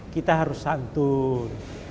kita harus santun